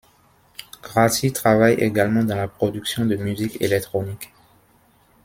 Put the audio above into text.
Grassi travaille également dans la production de musique électronique.